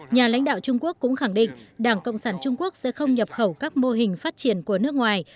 nhà lãnh đạo trung quốc cũng khẳng định đảng cộng sản trung quốc sẽ không nhập khẩu các mô hình phát triển của nước ngoài